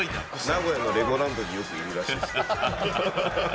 名古屋のレゴランドによくいるらしいです。